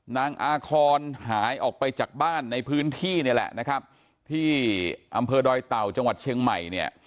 นางอาคอนหายออกไปจากบ้านในพื้นที่นี่แหละนะครับที่อำเภอดอยเต่าจังหวัดเชียงใหม่เนี่ย